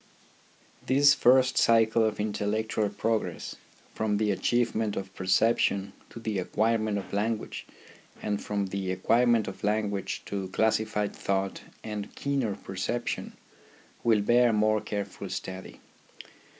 This first cycle of intellectual progress from the achievement of perception to the acquirement of language, and from the acquirement of lan guage to classified thought and keener percep tion, will bear more careful study.